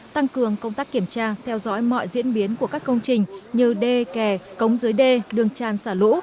tăng cường công tác kiểm tra theo dõi mọi diễn biến của các công trình như đê kè cống dưới đê đường tràn xả lũ